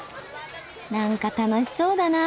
なんか楽しそうだな。